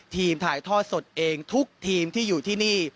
ถ่ายทอดสดเองทุกทีมที่อยู่ที่นี่